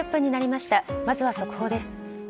まずは速報です。